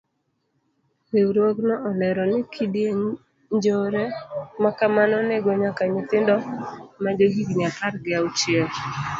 Riwruogno olero ni kidienj njore makamano nego nyaka nyithindo majo higni apar gi achiel.